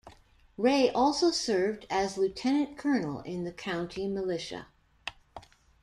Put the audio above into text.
Ray also served as lieutenant-colonel in the county militia.